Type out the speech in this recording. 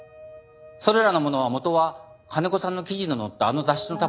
それらの物は元は金子さんの記事の載ったあの雑誌の束と一緒に